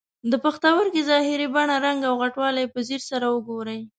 د پښتورګي ظاهري بڼه، رنګ او غټوالی په ځیر سره وګورئ.